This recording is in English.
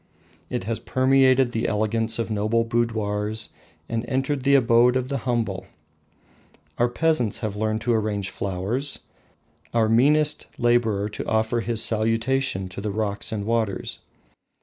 It has permeated the elegance of noble boudoirs, and entered the abode of the humble. Our peasants have learned to arrange flowers, our meanest labourer to offer his salutation to the rocks and waters.